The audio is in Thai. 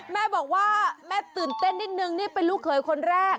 แม่บอกว่าแม่ตื่นเต้นนิดนึงนี่เป็นลูกเขยคนแรก